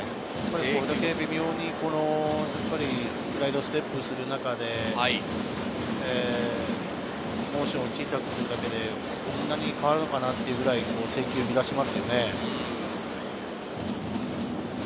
微妙にスライドステップする中で、モーションを小さくする中でこんなに変わるのかなっていうぐらい制球を乱しますよね。